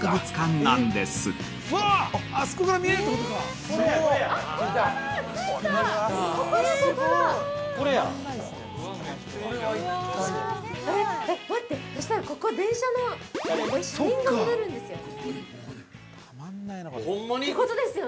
そしたら、ここ電車の車輪が見れるんですよ。